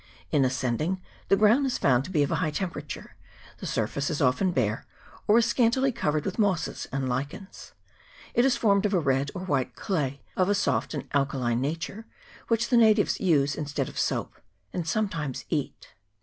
In ascending, the ground is found to be of a high temperature ; the surface is often bare, or is scantily covered with mosses and lichens ; it is formed of a red or white clay of a soft and alkaline nature, which the natives use instead of soap, and sometimes eat.